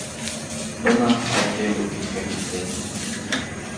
Бына алты йыл үтеп тә китте...